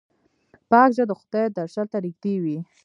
پاک زړه د خدای درشل ته نږدې وي.